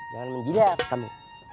jangan menjilat kami